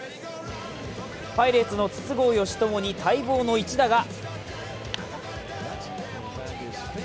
パイレーツの筒香嘉智に待望の一打が。